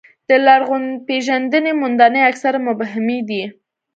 د لرغونپېژندنې موندنې اکثره مبهمې دي.